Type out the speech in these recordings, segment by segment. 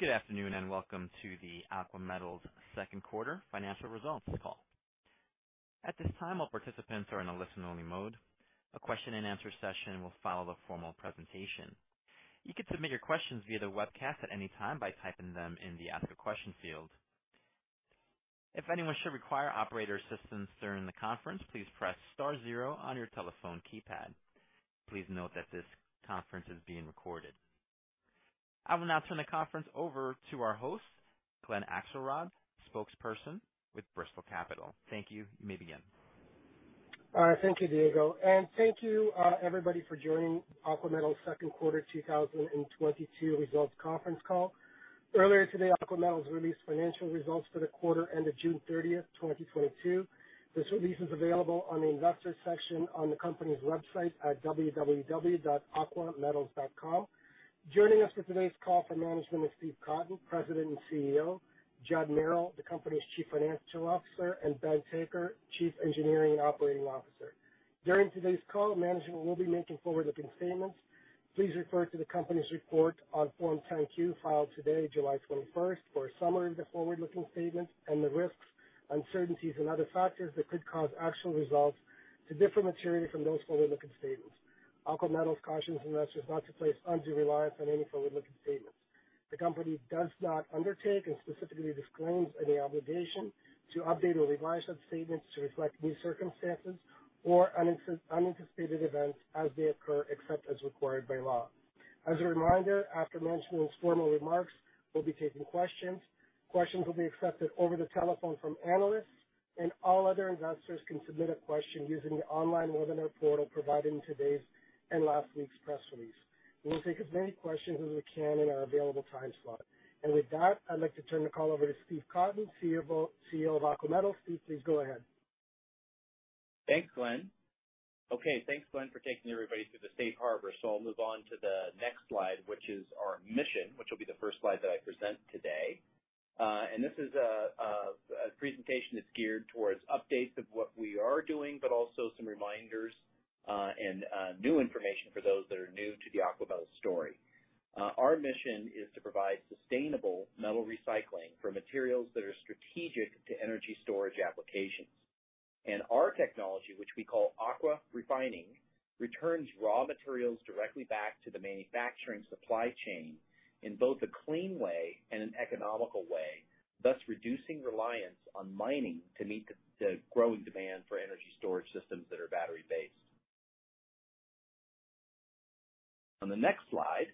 Good afternoon, and welcome to the Aqua Metals Q2 financial results call. At this time, all participants are in a listen-only mode. A question and answer session will follow the formal presentation. You can submit your questions via the webcast at any time by typing them in the Ask a Question field. If anyone should require operator assistance during the conference, please press star zero on your telephone keypad. Please note that this conference is being recorded. I will now turn the conference over to our host, Glen Akselrod, spokesperson with Bristol Capital. Thank you. You may begin. All right. Thank you, Diego, and thank you, everybody for joining Aqua Metals Q2 2022 results conference call. Earlier today, Aqua Metals released financial results for the quarter ended June 30, 2022. This release is available on the investor section on the company's website at www.aquametals.com. Joining us for today's call from management is Steve Cotton, President and CEO, Judd Merrill, the company's Chief Financial Officer, and Ben Taicher, Chief Engineering and Operations Officer. During today's call, management will be making forward-looking statements. Please refer to the company's report on Form 10-Q filed today, July 21, for a summary of the forward-looking statements and the risks, uncertainties and other factors that could cause actual results to differ materially from those forward-looking statements. Aqua Metals cautions investors not to place undue reliance on any forward-looking statements. The company does not undertake and specifically disclaims any obligation to update or revise such statements to reflect new circumstances or unanticipated events as they occur, except as required by law. As a reminder, after management's formal remarks, we'll be taking questions. Questions will be accepted over the telephone from analysts, and all other investors can submit a question using the online webinar portal provided in today's and last week's press release. We will take as many questions as we can in our available time slot. With that, I'd like to turn the call over to Steve Cotton, CEO of Aqua Metals. Steve, please go ahead. Thanks, Glen. Thanks, Glen, for taking everybody through the safe harbor. I'll move on to the next slide, which is our mission, which will be the first slide that I present today. This is a presentation that's geared towards updates of what we are doing, but also some reminders and new information for those that are new to the Aqua Metals story. Our mission is to provide sustainable metal recycling for materials that are strategic to energy storage applications. Our technology, which we call AquaRefining, returns raw materials directly back to the manufacturing supply chain in both a clean way and an economical way, thus reducing reliance on mining to meet the growing demand for energy storage systems that are battery based. On the next slide,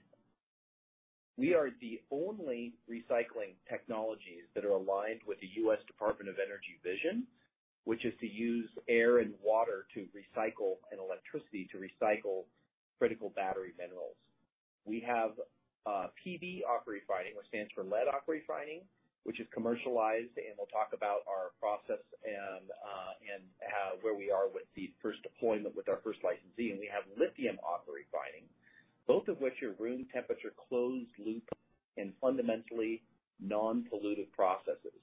we are the only recycling technologies that are aligned with the U.S. Department of Energy vision, which is to use air and water to recycle, and electricity to recycle critical battery minerals. We have lead AquaRefining, which stands for lead AquaRefining, which is commercialized, and we'll talk about our process and where we are with the first deployment with our first licensee. We have lithium AquaRefining, both of which are room temperature, closed loop, and fundamentally non-pollutive processes.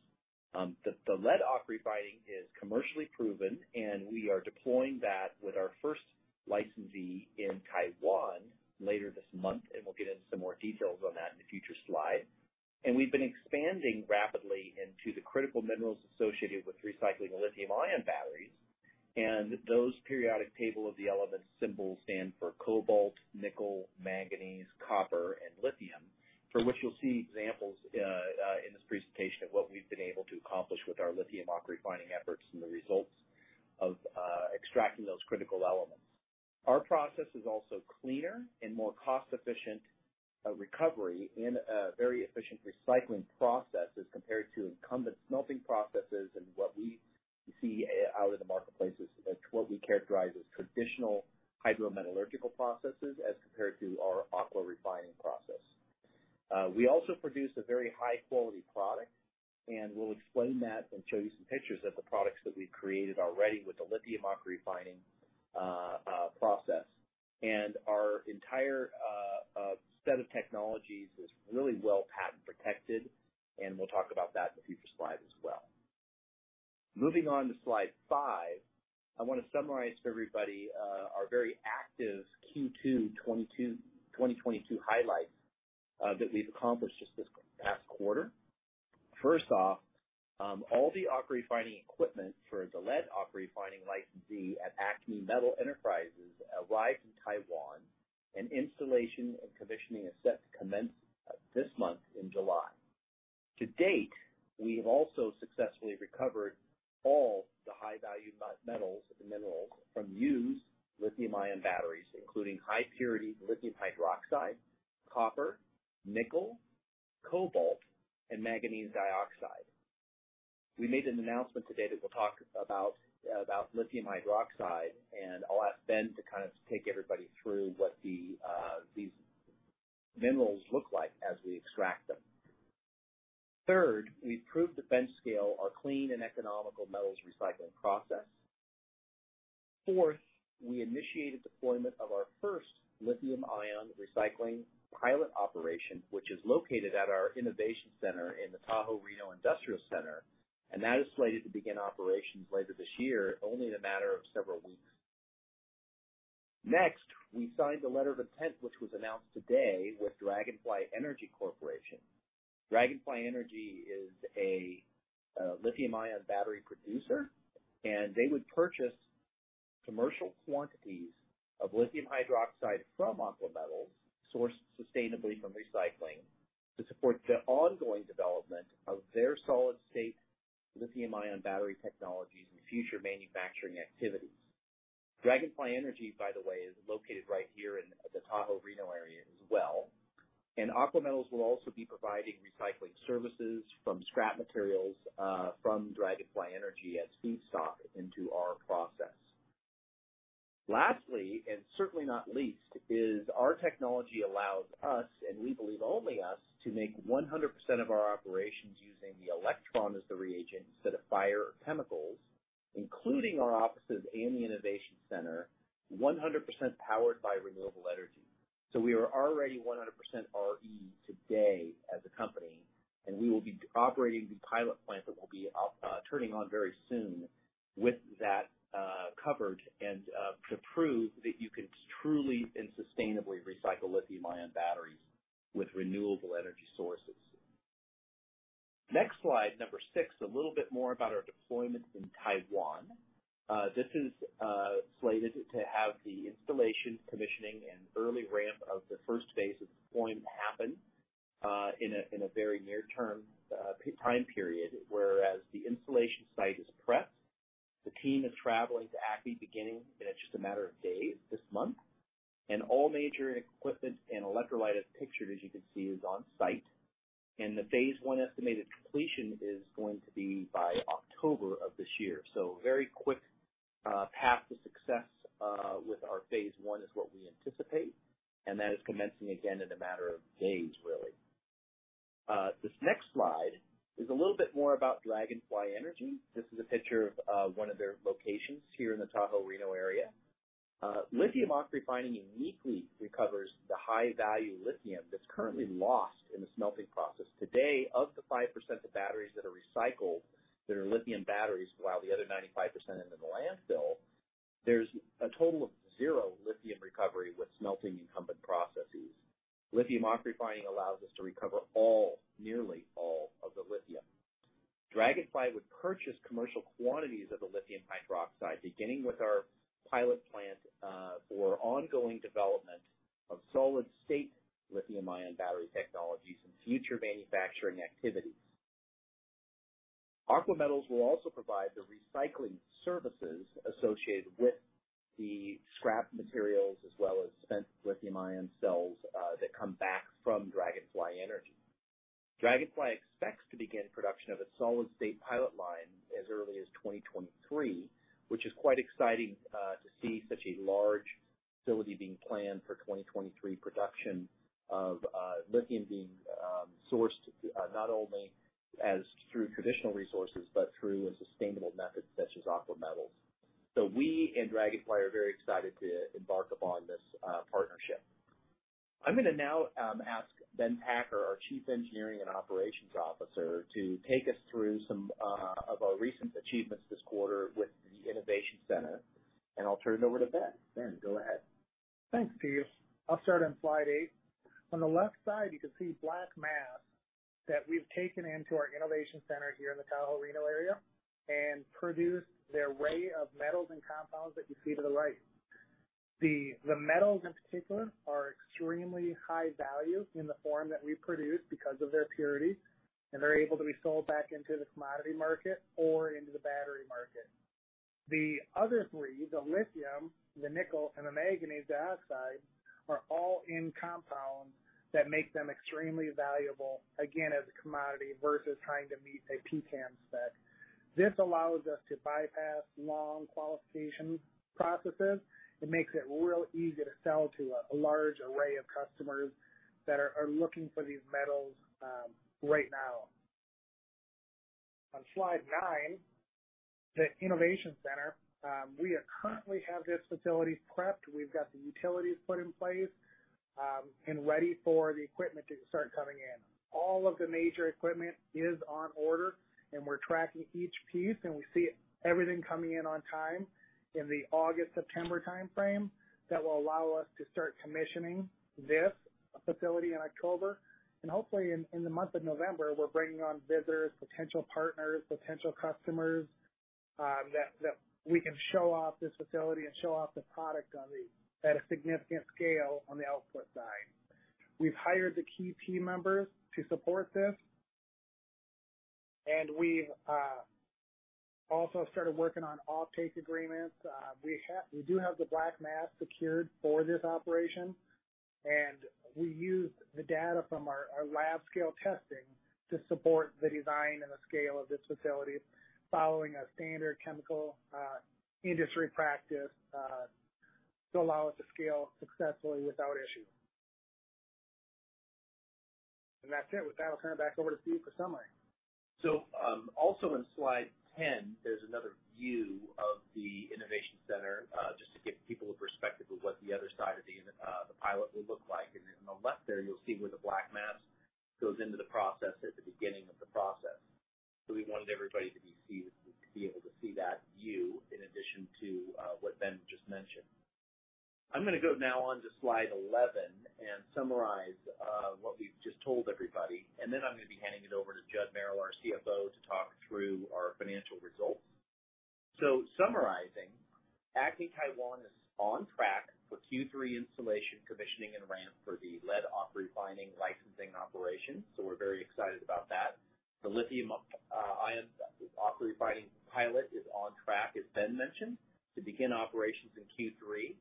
The lead AquaRefining is commercially proven, and we are deploying that with our first licensee in Taiwan later this month, and we'll get into some more details on that in a future slide. We've been expanding rapidly into the critical minerals associated with recycling lithium-ion batteries. Those periodic table of the elements symbols stand for cobalt, nickel, manganese, copper, and lithium, for which you'll see examples in this presentation of what we've been able to accomplish with our Lithium AquaRefining efforts and the results of extracting those critical elements. Our process is also cleaner and more cost efficient recovery in a very efficient recycling process as compared to incumbent smelting processes and what we see out in the marketplace as what we characterize as traditional hydrometallurgical processes as compared to our AquaRefining process. We also produce a very high quality product, and we'll explain that and show you some pictures of the products that we've created already with the Lithium AquaRefining process. Our entire set of technologies is really well patent protected, and we'll talk about that in a future slide as well. Moving on to slide 5, I wanna summarize for everybody our very active Q2 2022 highlights that we've accomplished just this past quarter. First off, all the AquaRefining equipment for the lead AquaRefining licensee at ACME Metal Enterprise Co. arrived in Taiwan, and installation and commissioning is set to commence this month in July. To date, we have also successfully recovered all the high value metals and minerals from used lithium-ion batteries, including high purity lithium hydroxide, copper, nickel, cobalt, and manganese dioxide. We made an announcement today that we'll talk about lithium hydroxide, and I'll ask Ben to kind of take everybody through what these minerals look like as we extract them. Third, we proved the bench-scale, our clean and economical metals recycling process. Fourth, we initiated deployment of our first lithium-ion recycling pilot operation, which is located at our innovation center in the Tahoe-Reno Industrial Center, and that is slated to begin operations later this year, only a matter of several weeks. Next, we signed a letter of intent, which was announced today with Dragonfly Energy Holdings Corp. Dragonfly Energy is a lithium-ion battery producer, and they would purchase commercial quantities of lithium hydroxide from Aqua Metals sourced sustainably from recycling to support the ongoing development of their solid-state lithium-ion battery technologies and future manufacturing activities. Dragonfly Energy, by the way, is located right here in the Tahoe-Reno area as well. Aqua Metals will also be providing recycling services from scrap materials from Dragonfly Energy as feedstock into our process. Lastly, and certainly not least, is our technology allows us, and we believe only us, to make 100% of our operations using the electron as the reagent instead of fire or chemicals, including our offices and the innovation center, 100% powered by renewable energy. We are already 100% RE today as a company, and we will be operating the pilot plant that will be turning on very soon with that covered and to prove that you can truly and sustainably recycle lithium-ion batteries with renewable energy sources. Next slide, number six, a little bit more about our deployment in Taiwan. This is slated to have the installation, commissioning, and early ramp of the first phase of deployment happen in a very near-term time period, whereas the installation site is prepped. The team is traveling to ACME beginning in just a matter of days this month. All major equipment and electrolyte, as pictured, as you can see, is on site. The phase one estimated completion is going to be by October of this year. Very quick path to success with our phase one is what we anticipate, and that is commencing again in a matter of days, really. This next slide is a little bit more about Dragonfly Energy. This is a picture of one of their locations here in the Tahoe, Reno area. Lithium AquaRefining uniquely recovers the high-value lithium that's currently lost in the smelting process. Today, of the 5% of batteries that are recycled that are lithium batteries, while the other 95% end in the landfill, there's a total of zero lithium recovery with smelting incumbent processes. Lithium AquaRefining allows us to recover all, nearly all of the lithium. Dragonfly would purchase commercial quantities of the lithium hydroxide, beginning with our pilot plant, for ongoing development of solid-state lithium-ion battery technologies and future manufacturing activities. Aqua Metals will also provide the recycling services associated with the scrap materials as well as spent lithium-ion cells that come back from Dragonfly Energy. Dragonfly expects to begin production of a solid-state pilot line as early as 2023, which is quite exciting to see such a large facility being planned for 2023 production of lithium being sourced not only through traditional resources, but through a sustainable method such as Aqua Metals. We and Dragonfly are very excited to embark upon this partnership. I'm gonna now ask Ben Taicher, our Chief Engineering and Operations Officer, to take us through some of our recent achievements this quarter with the innovation center, and I'll turn it over to Ben. Ben, go ahead. Thanks, Steve. I'll start on slide 8. On the left side, you can see black mass that we've taken into our innovation center here in the Tahoe, Reno area and produced the array of metals and compounds that you see to the right. The metals, in particular, are extremely high value in the form that we produce because of their purity, and they're able to be sold back into the commodity market or into the battery market. The other three, the lithium, the nickel, and the manganese dioxide, are all in compounds that make them extremely valuable, again, as a commodity versus trying to meet a pCAM spec. This allows us to bypass long qualification processes. It makes it real easy to sell to a large array of customers that are looking for these metals right now. On slide 9, the innovation center. We currently have this facility prepped. We've got the utilities put in place, and ready for the equipment to start coming in. All of the major equipment is on order, and we're tracking each piece, and we see everything coming in on time in the August, September timeframe that will allow us to start commissioning this facility in October. Hopefully in the month of November, we're bringing on visitors, potential partners, potential customers, that we can show off this facility and show off the product at a significant scale on the output side. We've hired the key team members to support this, and we've also started working on offtake agreements. We do have the black mass secured for this operation, and we use the data from our lab scale testing to support the design and the scale of this facility, following a standard chemical industry practice to allow us to scale successfully without issue. That's it. With that, I'll turn it back over to Steve for summary. also on slide 10, there's another view of the innovation center, just to give people a perspective of what the other side of the pilot will look like. On the left there, you'll see where the black mass goes into the process at the beginning of the process. We wanted everybody to be able to see that view in addition to what Ben just mentioned. I'm gonna go now on to slide 11 and summarize what we've just told everybody, and then I'm gonna be handing it over to Judd Merrill, our CFO, to talk through our financial results. Summarizing, ACME Taiwan is on track for Q3 installation, commissioning, and ramp for the lead AquaRefining licensing operation, so we're very excited about that. The lithium-ion AquaRefining pilot is on track, as Ben mentioned, to begin operations in Q3,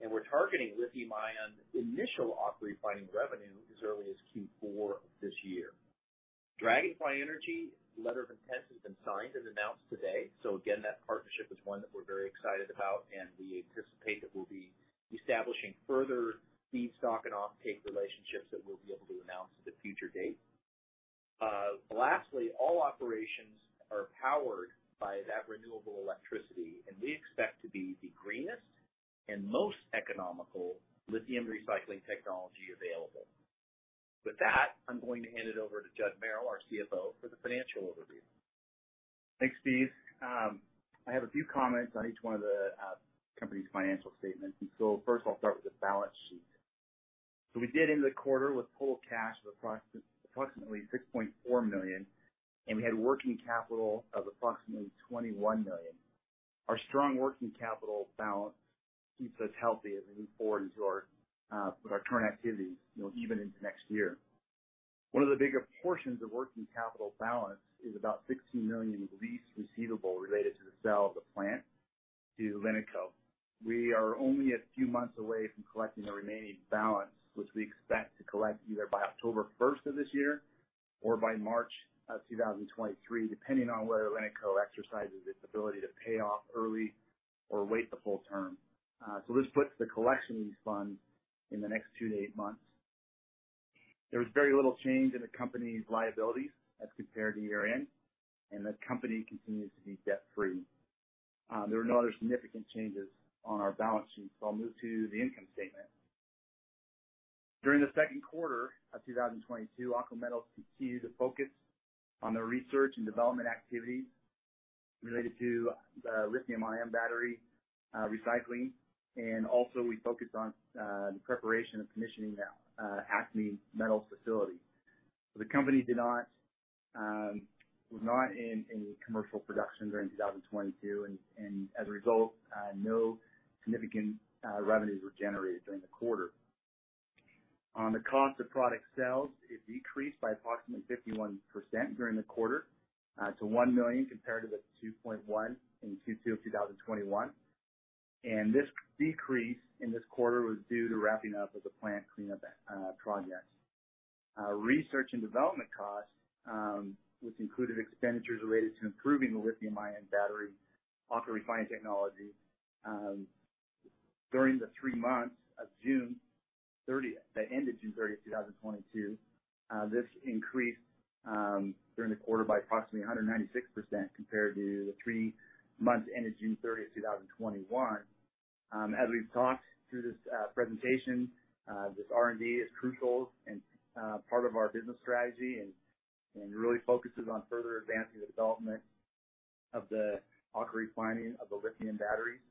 and we're targeting lithium-ion initial AquaRefining revenue as early as Q4 this year. Dragonfly Energy letter of intent has been signed and announced today. Again, that partnership is one that we're very excited about and we anticipate that we'll be establishing further feedstock and offtake relationships that we'll be able to announce at a future date. Lastly, all operations are powered by that renewable electricity, and we expect to be the greenest and most economical lithium recycling technology available. With that, I'm going to hand it over to Judd Merrill, our CFO, for the financial overview. Thanks, Steve. I have a few comments on each one of the company's financial statements. First of all, I'll start with the balance sheet. We did end the quarter with total cash of approximately $6.4 million, and we had working capital of approximately $21 million. Our strong working capital balance keeps us healthy as we move forward into our with our current activities, you know, even into next year. One of the bigger portions of working capital balance is about $16 million lease receivable related to the sale of the plant to LiNiCo. We are only a few months away from collecting the remaining balance, which we expect to collect either by October first of this year or by March of 2023, depending on whether LiNiCo exercises its ability to pay off early or wait the full term. This puts the collection of these funds in the next 2-8 months. There was very little change in the company's liabilities as compared to year-end, and the company continues to be debt-free. There were no other significant changes on our balance sheet, I'll move to the income statement. During the Q2 of 2022, Aqua Metals continued to focus on the research and development activities related to the lithium-ion battery recycling, and also we focused on the preparation and commissioning of ACME Metal's facility. The company was not in any commercial production during 2022, and as a result, no significant revenues were generated during the quarter. On the cost of product sales, it decreased by approximately 51% during the quarter to $1 million compared to the $2.1 million in Q2 of 2021. This decrease in this quarter was due to wrapping up of the plant cleanup projects. Research and development costs, which included expenditures related to improving the lithium-ion battery AquaRefining technology. During the three months ended June 30, 2022, this increased during the quarter by approximately 196% compared to the three months ended June 30, 2021. As we've talked through this presentation, this R&D is crucial and part of our business strategy and really focuses on further advancing the development of the AquaRefining of the lithium batteries.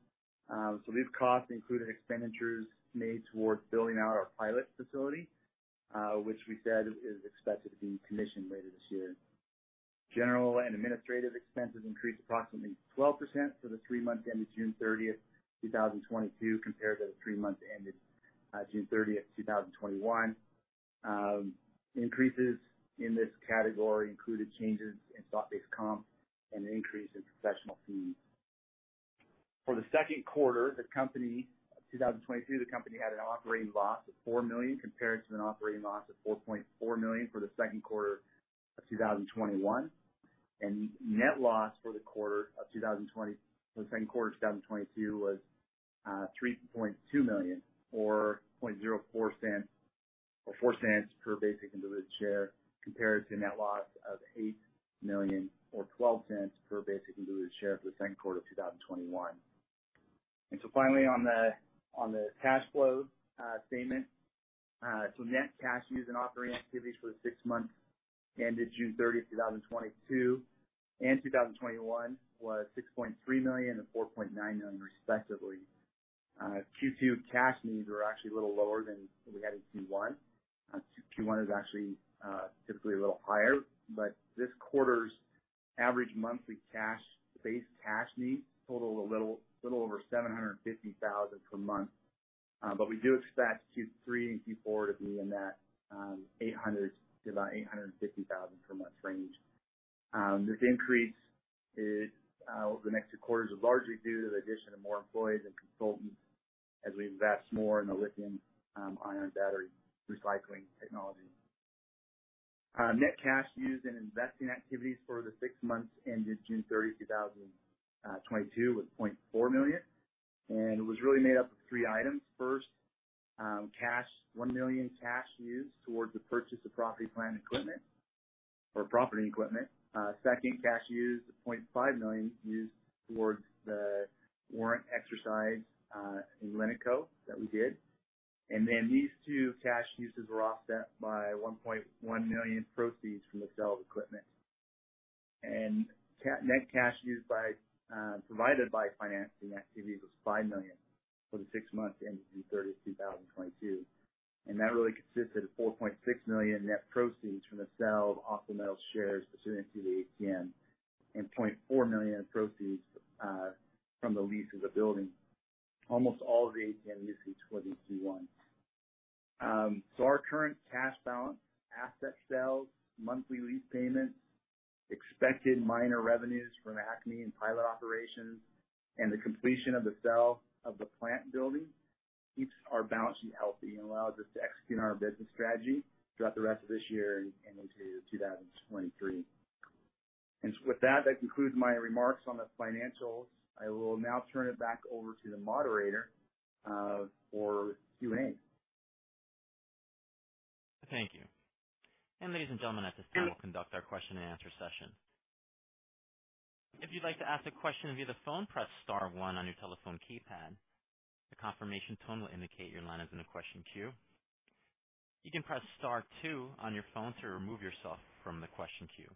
So these costs included expenditures made towards building out our pilot facility, which we said is expected to be commissioned later this year. General and administrative expenses increased approximately 12% for the three months ending June 30, 2022, compared to the three months ending June 30, 2021. Increases in this category included changes in stock-based comp and an increase in professional fees. For the Q2 2022, the company had an operating loss of $4 million, compared to an operating loss of $4.4 million for the Q2 of 2021. Net loss for the Q2 of 2022 was $3.2 million or $0.04. or $0.04 per basic individual share, compared to net loss of $8 million or $0.12 per basic individual share for the Q2 of 2021. Finally on the cash flow statement. Net cash used in operating activities for the six months ended June 30, 2022 and 2021 was $6.3 million and $4.9 million respectively. Q2 cash needs were actually a little lower than we had in Q1. Q1 is actually typically a little higher, but this quarter's average monthly cash base cash needs total a little over $750,000 per month. But we do expect Q3 and Q4 to be in that $800,000-$850,000 per month range. This increase is over the next few quarters are largely due to the addition of more employees and consultants as we invest more in the lithium-ion battery recycling technology. Net cash used in investing activities for the six months ended June 30, 2022 was $0.4 million, and it was really made up of three items. First, $1 million cash used towards the purchase of property, plant, and equipment or property and equipment. Second, $0.5 million used towards the warrant exercise in LiNiCo that we did. Then these two cash uses were offset by $1.1 million proceeds from the sale of equipment. Net cash provided by financing activities was $5 million for the six months ending June 30, 2022. That really consisted of $4.6 million net proceeds from the sale of Occidental shares pursuant to the ATM, and $0.4 million in proceeds from the lease of the building. Almost all of the ATM usage was in Q1. Our current cash balance, asset sales, monthly lease payments, expected minor revenues from ACME and pilot operations, and the completion of the sale of the plant building keeps our balance sheet healthy and allows us to execute our business strategy throughout the rest of this year and into 2023. With that concludes my remarks on the financials. I will now turn it back over to the moderator for Q&A. Thank you. Ladies and gentlemen, at this time, we'll conduct our question and answer session. If you'd like to ask a question via the phone, press star one on your telephone keypad. A confirmation tone will indicate your line is in the question queue. You can press star two on your phone to remove yourself from the question queue.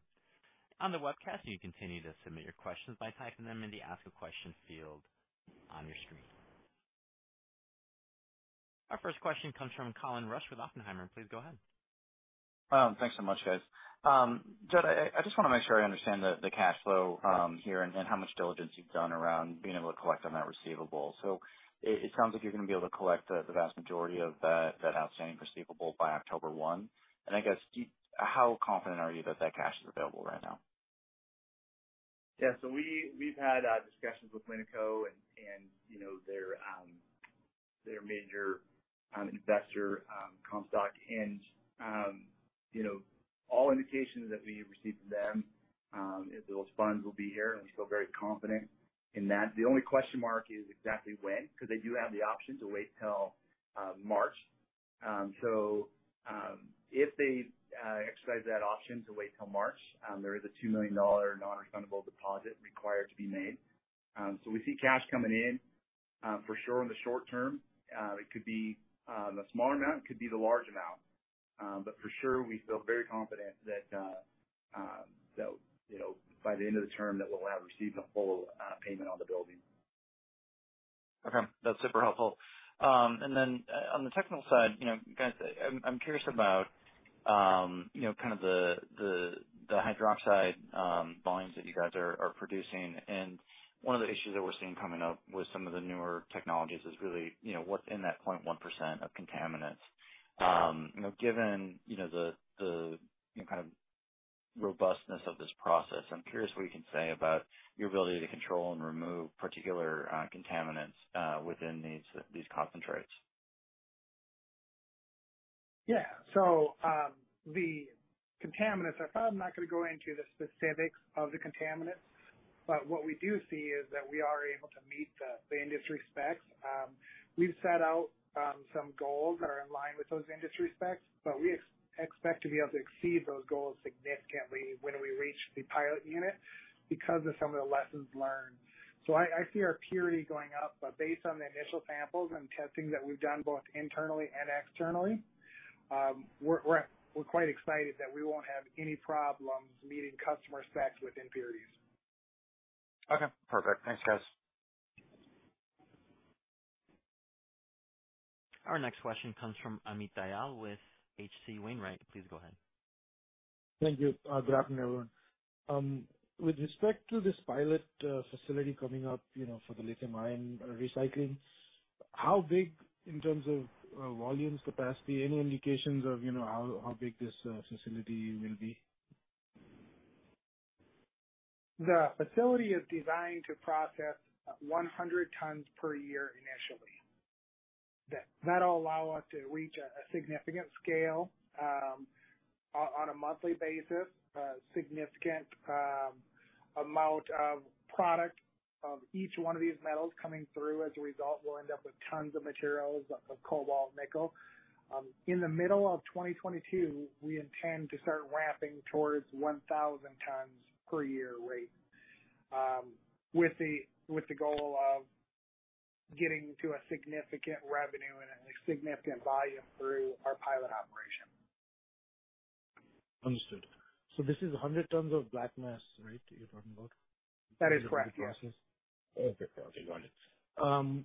On the webcast, you can continue to submit your questions by typing them in the Ask a Question field on your screen. Our first question comes from Colin Rusch with Oppenheimer. Please go ahead. Thanks so much, guys. Judd, I just wanna make sure I understand the cash flow here and how much diligence you've done around being able to collect on that receivable. It sounds like you're gonna be able to collect the vast majority of that outstanding receivable by October one. I guess how confident are you that that cash is available right now? Yeah. We've had discussions with LiNiCo and, you know, their major investor, Comstock, and, you know, all indications that we receive from them is those funds will be here, and we feel very confident in that. The only question mark is exactly when, 'cause they do have the option to wait till March. If they exercise that option to wait till March, there is a $2 million non-refundable deposit required to be made. We see cash coming in, for sure in the short term. It could be the small amount, it could be the large amount. For sure, we feel very confident that, you know, by the end of the term that we'll have received the full payment on the building. Okay, that's super helpful. On the technical side, you know, guys, I'm curious about, you know, kind of the hydroxide volumes that you guys are producing. One of the issues that we're seeing coming up with some of the newer technologies is really, you know, what's in that 0.1% of contaminants. Given, you know, the you know, kind of robustness of this process, I'm curious what you can say about your ability to control and remove particular contaminants within these concentrates. The contaminants, I probably am not gonna go into the specifics of the contaminants, but what we do see is that we are able to meet the industry specs. We've set out some goals that are in line with those industry specs, but we expect to be able to exceed those goals significantly when we reach the pilot unit because of some of the lessons learned. I see our purity going up, but based on the initial samples and testing that we've done both internally and externally, we're quite excited that we won't have any problems meeting customer specs with impurities. Okay, perfect. Thanks, guys. Our next question comes from Amit Dayal with H.C. Wainwright. Please go ahead. Thank you. Good afternoon, everyone. With respect to this pilot facility coming up, you know, for the lithium ion recycling, how big in terms of volume capacity? Any indications of, you know, how big this facility will be? The facility is designed to process 100 tons per year initially. That'll allow us to reach a significant scale on a monthly basis, a significant amount of product of each one of these metals coming through. As a result, we'll end up with tons of materials of cobalt, nickel. In the middle of 2022, we intend to start ramping towards 1,000 tons per year rate with the goal of getting to a significant revenue and a significant volume through our pilot operation. Understood. This is 100 tons of black mass, right, you're talking about? That is correct. Yes. Okay. Got it.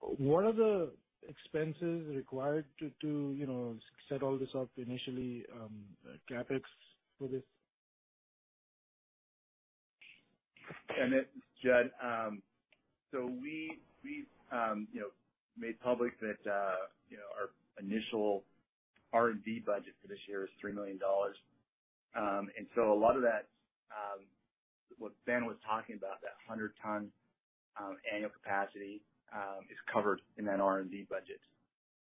What are the expenses required to you know set all this up initially, the CapEx for this? Amit, this is Judd. We've, you know, made public that, you know, our initial R&D budget for this year is $3 million. A lot of that, what Ben was talking about, that 100-ton annual capacity, is covered in that R&D budget,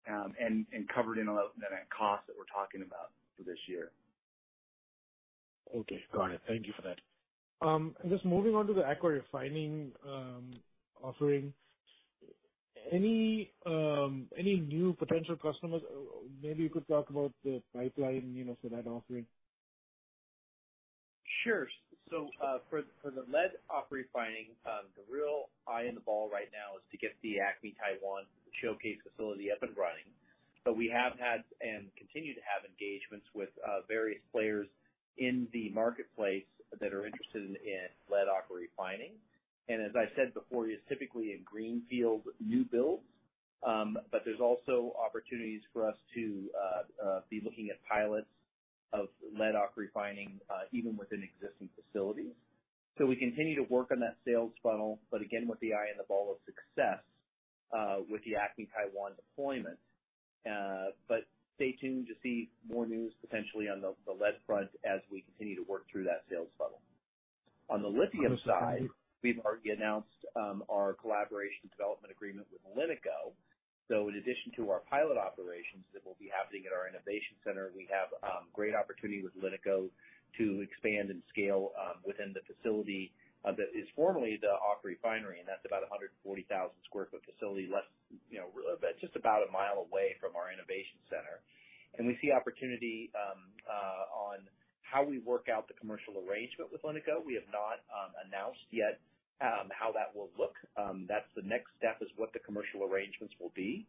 and covered in a lot of net cost that we're talking about for this year. Okay. Got it. Thank you for that. Just moving on to the AquaRefining offering, any new potential customers? Maybe you could talk about the pipeline, you know, for that offering? Sure. For the lead AquaRefining, the real eye on the ball right now is to get the ACME Taiwan showcase facility up and running. We have had and continue to have engagements with various players in the marketplace that are interested in lead AquaRefining. As I said before, it's typically in greenfield new builds. There's also opportunities for us to be looking at pilots of lead AquaRefining, even within existing facilities. We continue to work on that sales funnel, but again, with the eye on the ball of success, with the ACME Taiwan deployment. Stay tuned to see more news potentially on the lead front as we continue to work through that sales funnel. On the lithium side, we've already announced our collaboration development agreement with LiNiCo. In addition to our pilot operations that will be happening at our innovation center, we have great opportunity with LiNiCo to expand and scale within the facility that is formerly the OC refinery, and that's about 140,000 sq ft facility. It's just about a mile away from our innovation center. We see opportunity on how we work out the commercial arrangement with LiNiCo. We have not announced yet how that will look. That's the next step is what the commercial arrangements will be.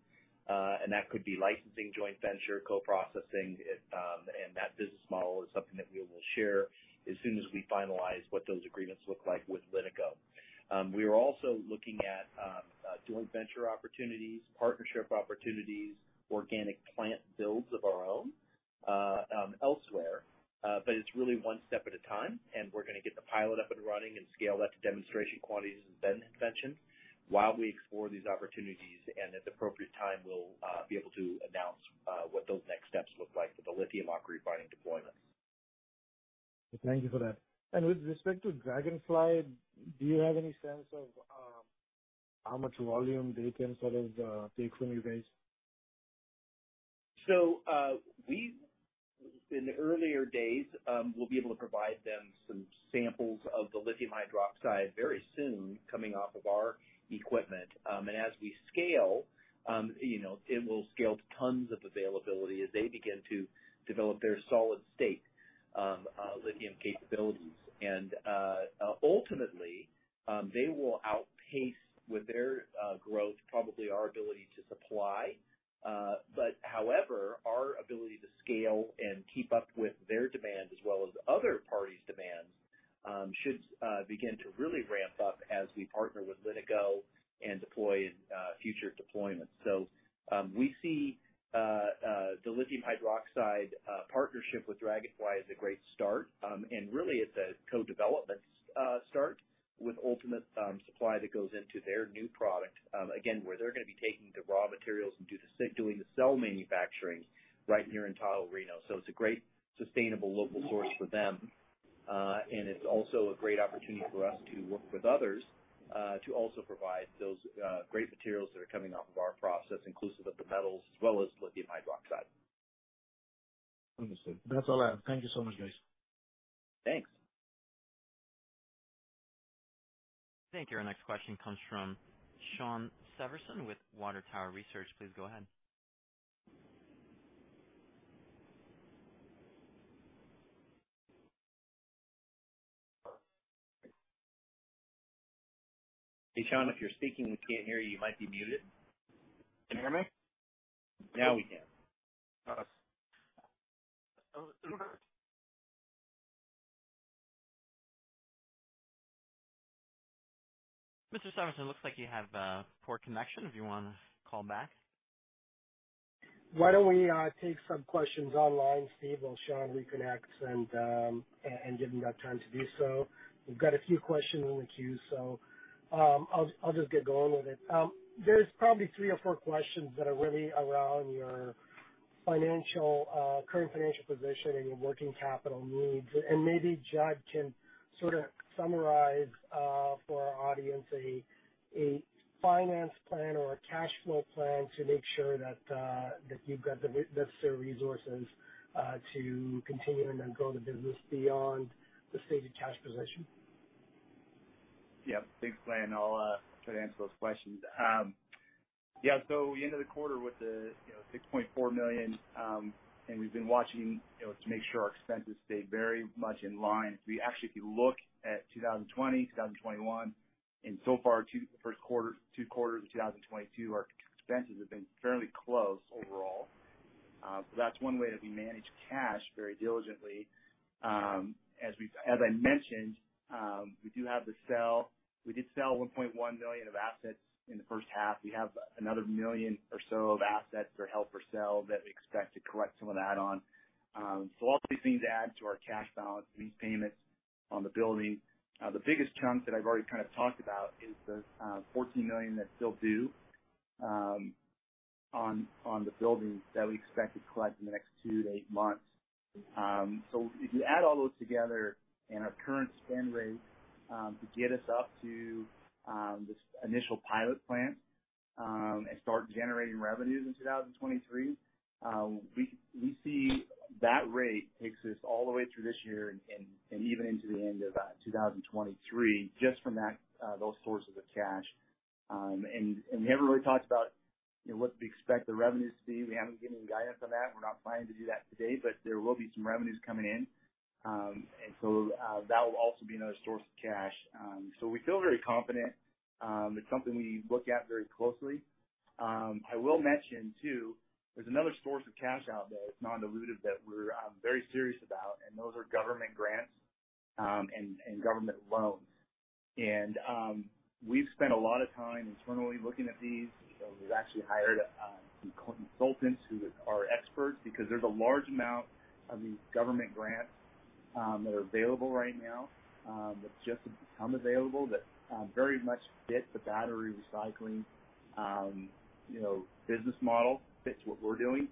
That could be licensing, joint venture, co-processing. That business model is something that we will share as soon as we finalize what those agreements look like with LiNiCo. We are also looking at joint venture opportunities, partnership opportunities, organic plant builds of our own elsewhere. It's really one step at a time, and we're gonna get the pilot up and running and scale that to demonstration quantities and then invention while we explore these opportunities. At the appropriate time, we'll be able to announce what those next steps look like for the Lithium AquaRefining deployment. Thank you for that. With respect to Dragonfly, do you have any sense of how much volume they can sort of take from you guys? We'll be able to provide them some samples of the lithium hydroxide very soon coming off of our equipment. As we scale, you know, it will scale tons of availability as they begin to develop their solid state lithium capabilities. Ultimately, they will outpace with their growth, probably our ability to supply. However, our ability to scale and keep up with their demand as well as other parties' demands should begin to really ramp up as we partner with LiNiCo and deploy in future deployments. We see the lithium hydroxide partnership with Dragonfly as a great start. Really it's a co-development, start with Ultium, supply that goes into their new product, again, where they're gonna be taking the raw materials and doing the cell manufacturing right here in Tahoe-Reno. It's a great sustainable local source for them. It's also a great opportunity for us to work with others, to also provide those great materials that are coming off of our process, inclusive of the metals as well as lithium hydroxide. Understood. That's all I have. Thank you so much, guys. Thanks. Thank you. Our next question comes from Shawn Severson with Water Tower Research. Please go ahead. Shawn, if you're speaking, we can't hear you. You might be muted. Can you hear me? Now we can. Mr. Severson, looks like you have a poor connection if you wanna call back. Why don't we take some questions online, Steve, while Shawn reconnects and give him that time to do so. We've got a few questions in the queue, so I'll just get going with it. There's probably three or four questions that are really around your current financial position and your working capital needs. Maybe Judd can sort of summarize for our audience a finance plan or a cash flow plan to make sure that you've got the necessary resources to continue and then grow the business beyond the stated cash position. Yep. Thanks, Glen. I'll try to answer those questions. Yeah, we ended the quarter with $6.4 million. We've been watching, you know, to make sure our expenses stayed very much in line. We actually, if you look at 2020, 2021, and so far, the Q1, two quarters of 2022, our expenses have been fairly close overall. That's one way that we manage cash very diligently. As we've, as I mentioned, we do have the sale. We did sell $1.1 million of assets in the first half. We have another $1 million or so of assets that are held for sale that we expect to collect some of that on. All these things add to our cash balance, these payments on the building. The biggest chunk that I've already kind of talked about is the $14 million that's still due on the buildings that we expect to collect in the next two to eight months. If you add all those together and our current spend rate to get us up to this initial pilot plant and start generating revenues in 2023, we see that rate takes us all the way through this year and even into the end of 2023, just from those sources of cash. We haven't really talked about you know what we expect the revenues to be. We haven't given any guidance on that. We're not planning to do that today, but there will be some revenues coming in. that will also be another source of cash. We feel very confident. It's something we look at very closely. I will mention too, there's another source of cash out there that's non-dilutive that we're very serious about, and those are government grants and government loans. We've spent a lot of time internally looking at these. We've actually hired some consultants who are experts because there's a large amount of these government grants that are available right now, that's just become available that very much fit the battery recycling you know business model, fits what we're doing.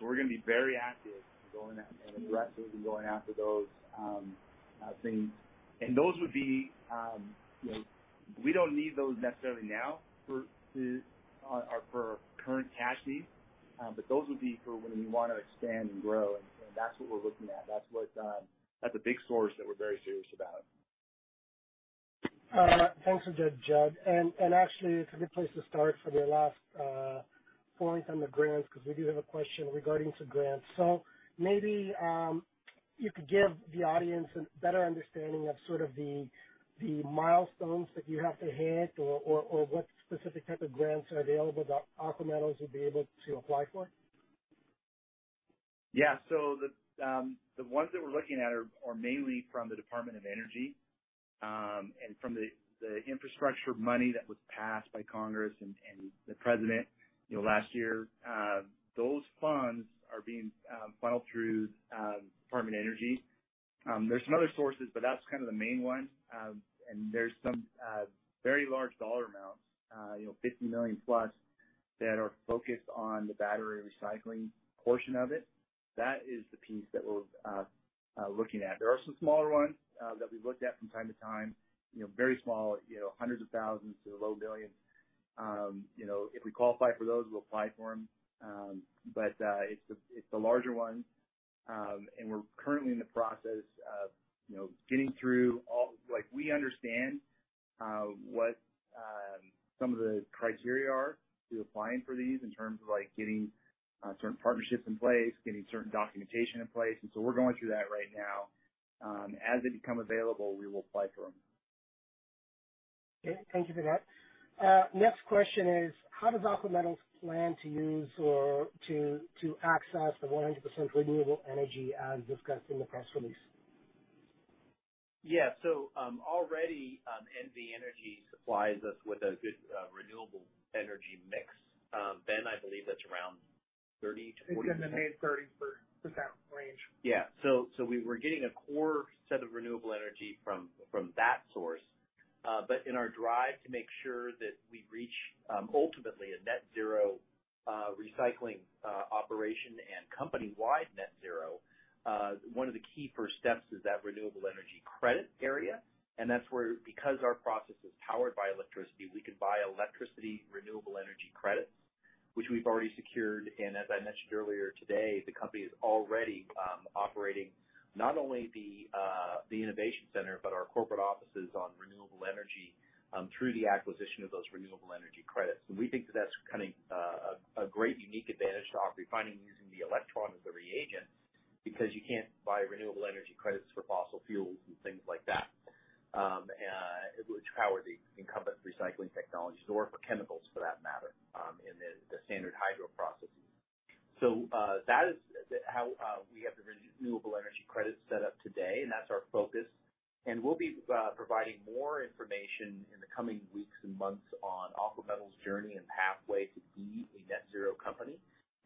We're gonna be very active in going out and aggressively going after those things. Those would be you know. We don't need those necessarily now for our current cash needs, but those would be for when we wanna expand and grow. That's what we're looking at. That's what a big source that we're very serious about. Thanks for that, Judd. Actually, it's a good place to start for the last point on the grants because we do have a question regarding to grants. Maybe you could give the audience a better understanding of sort of the milestones that you have to hit or what specific type of grants are available that Aqua Metals would be able to apply for. The ones that we're looking at are mainly from the Department of Energy and from the infrastructure money that was passed by Congress and the President, you know, last year. Those funds are being funneled through Department of Energy. There's some other sources, but that's kind of the main one. There's some very large dollar amounts, you know, $50 million+ that are focused on the battery recycling portion of it. That is the piece that we're looking at. There are some smaller ones that we've looked at from time to time, you know, very small, you know, hundreds of thousands to the low billions. You know, if we qualify for those, we'll apply for them. It's the larger ones. We're currently in the process of, you know, we understand what some of the criteria are for applying for these in terms of, like, getting certain partnerships in place, getting certain documentation in place. We're going through that right now. As they become available, we will apply for them. Okay. Thank you for that. Next question is: how does Aqua Metals plan to use or to access the 100% renewable energy as discussed in the press release? Already, NV Energy supplies us with a good, renewable energy mix. Ben, I believe that's around 30%-40%. It's in the mid-30s% range. Yeah. We're getting a core set of renewable energy from that source. But in our drive to make sure that we reach ultimately a net zero recycling operation and company-wide net zero, one of the key first steps is that Renewable Energy Credits area. That's where because our process is powered by electricity, we can buy electricity Renewable Energy Credits, which we've already secured. As I mentioned earlier today, the company is already operating not only the innovation center, but our corporate offices on renewable energy through the acquisition of those Renewable Energy Credits. We think that that's kind of a great unique advantage to our refining using the electron as the reagent because you can't buy Renewable Energy Credits for fossil fuels and things like that, which power the incumbent recycling technologies or for chemicals for that matter, in the standard hydro processes. That is how we have the Renewable Energy Credits set up today, and that's our focus. We'll be providing more information in the coming weeks and months on Aqua Metals' journey and pathway to be a net zero company.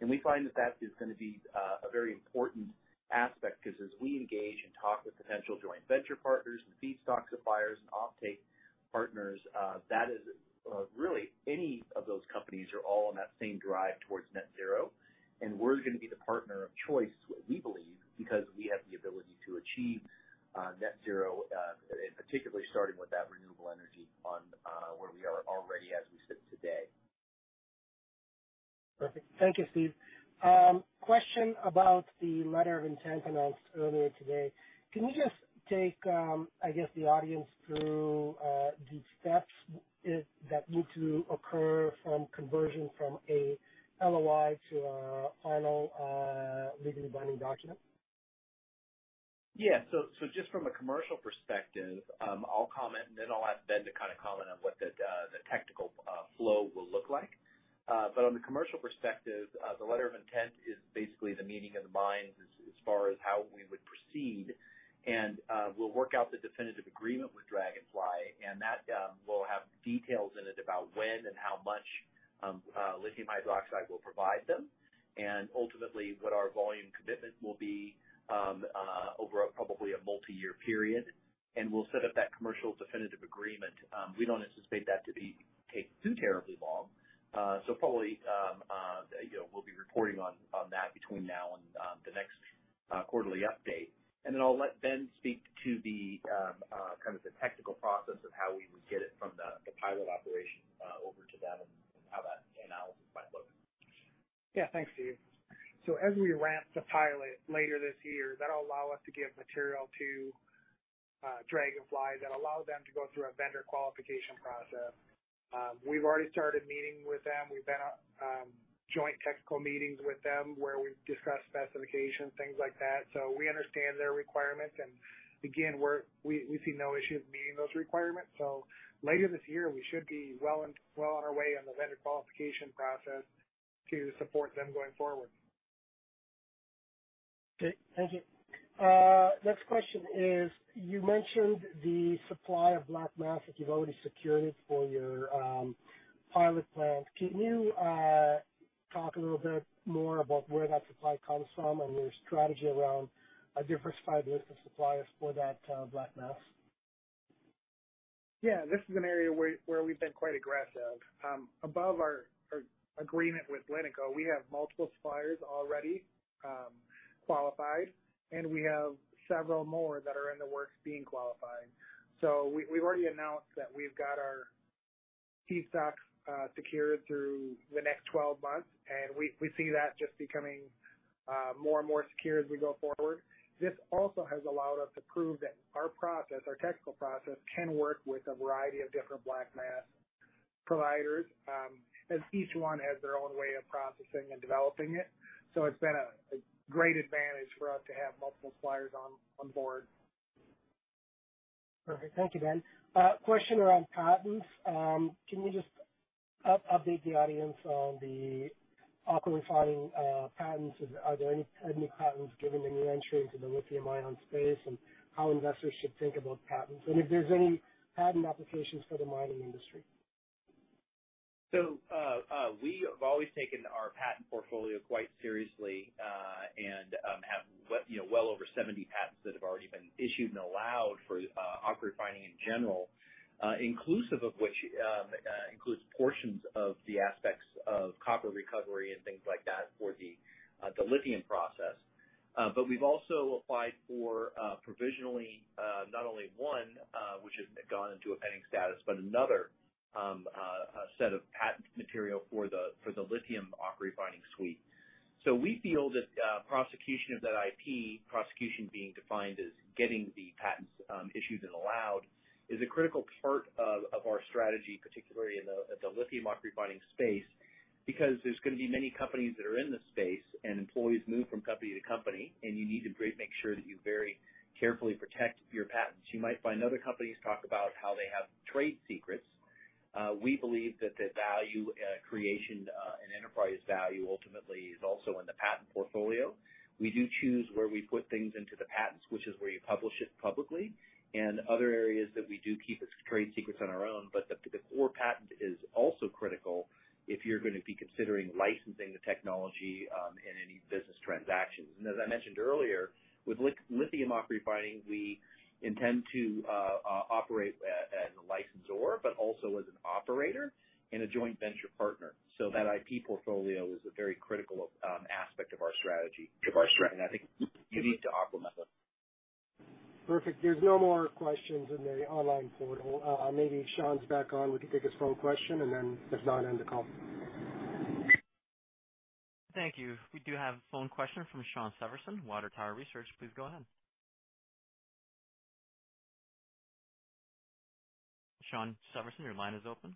We find that that is gonna be a very important aspect because as we engage and talk with potential joint venture partners and feedstock suppliers and offtake partners, that is really any of those companies are all on that same drive towards net zero. We're gonna be the partner of choice, we believe, because we have the ability to achieve net zero, particularly starting with that renewable energy on where we are already as we sit today. Perfect. Thank you, Steve. Question about the letter of intent announced earlier today. Can you just take, I guess, the audience through the steps that need to occur for conversion from a LOI to a final legally binding document? Just from a commercial perspective, I'll comment, and then I'll ask Ben to kind of comment on what the technical flow will look like. On the commercial perspective, the letter of intent is basically the meeting of the minds as far as how we would proceed. We'll work out the definitive agreement with Dragonfly, and that will have details in it about when and how much lithium hydroxide we'll provide them and ultimately what our volume commitment will be over probably a multi-year period. We'll set up that commercial definitive agreement. We don't anticipate that to take too terribly long. Probably, you know, we'll be reporting on that between now and the next quarterly update. Then I'll let Ben speak to the kind of the technical process of how we would get it from the pilot operation over to them and how that analysis might. Yeah. Thanks, Steve. As we ramp the pilot later this year, that'll allow us to give material to Dragonfly that allow them to go through a vendor qualification process. We've already started meeting with them. We've been joint technical meetings with them where we've discussed specifications, things like that. We understand their requirements, and again, we see no issue with meeting those requirements. Later this year, we should be well on our way on the vendor qualification process to support them going forward. Okay. Thank you. Next question is, you mentioned the supply of black mass that you've already secured for your pilot plant. Can you talk a little bit more about where that supply comes from and your strategy around a diversified list of suppliers for that black mass? Yeah. This is an area where we've been quite aggressive. Above our agreement with LiNiCo, we have multiple suppliers already qualified, and we have several more that are in the works being qualified. We've already announced that we've got our feedstocks secured through the next 12 months, and we see that just becoming more and more secure as we go forward. This also has allowed us to prove that our process, our technical process can work with a variety of different black mass providers, as each one has their own way of processing and developing it. It's been a great advantage for us to have multiple suppliers on board. Perfect. Thank you, Ben Taecker. Question around patents. Can you just update the audience on the AquaRefining patents? Are there any patents given the new entry into the lithium-ion space, and how investors should think about patents, and if there's any patent applications for the mining industry? We have always taken our patent portfolio quite seriously, and have, you know, well over 70 patents that have already been issued and allowed for AquaRefining in general, inclusive of which includes portions of the aspects of copper recovery and things like that for the lithium process. We've also applied for provisionally not only one, which has gone into a pending status, but another set of patent material for the lithium AquaRefining suite. We feel that prosecution of that IP, prosecution being defined as getting the patents issued and allowed, is a critical part of our strategy, particularly in the lithium AquaRefining space, because there's gonna be many companies that are in this space and employees move from company to company, and you need to make sure that you very carefully protect your patents. You might find other companies talk about how they have trade secrets. We believe that the value creation and enterprise value ultimately is also in the patent portfolio. We do choose where we put things into the patents, which is where you publish it publicly, and other areas that we do keep as trade secrets on our own. The core patent is also critical if you're gonna be considering licensing the technology in any business transactions. As I mentioned earlier, with lithium AquaRefining, we intend to operate as a licensor, but also as an operator and a joint venture partner. That IP portfolio is a very critical aspect of our strategy, and I think unique to Aqua Metals. Perfect. There's no more questions in the online portal. Maybe Shawn's back on. We can take his phone question and then if not, end the call. Thank you. We do have a phone question from Shawn Severson, Water Tower Research. Please go ahead. Shawn Severson, your line is open.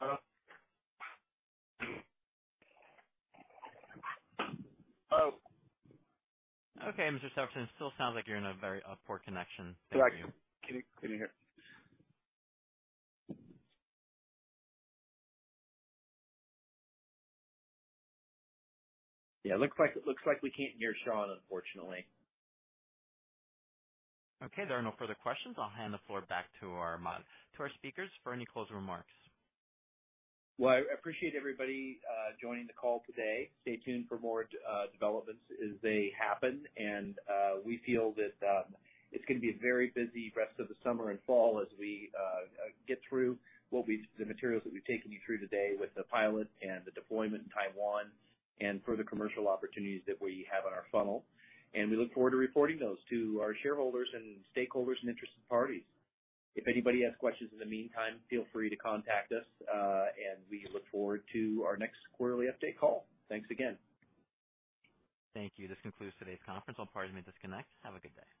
Hello? Hello? Okay, Mr. Severson, it still sounds like you're in a very poor connection. Thank you. Can you hear? Yeah, looks like we can't hear Shawn, unfortunately. Okay, there are no further questions. I'll hand the floor back to our speakers for any closing remarks. Well, I appreciate everybody joining the call today. Stay tuned for more developments as they happen. We feel that it's gonna be a very busy rest of the summer and fall as we get through what we've the materials that we've taken you through today with the pilot and the deployment in Taiwan and further commercial opportunities that we have in our funnel. We look forward to reporting those to our shareholders and stakeholders and interested parties. If anybody has questions in the meantime, feel free to contact us, and we look forward to our next quarterly update call. Thanks again. Thank you. This concludes today's conference. All parties may disconnect. Have a good day.